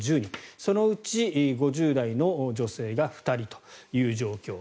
そのうち５０代の女性が２人という状況。